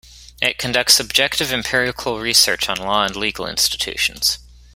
It conducts objective empirical research on law and legal institutions.